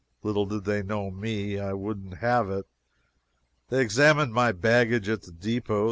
Little did they know me. I wouldn't have it. They examined my baggage at the depot.